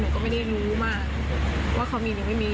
ก็ไม่ได้รู้มากว่าเขามีหรือไม่มี